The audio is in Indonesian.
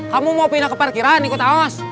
kamu mau pindah ke parkiran nih kut aus